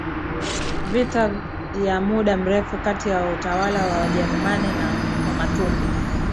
vita ya muda mrefu kati ya utawala wa Wajerumani na Wamatumbi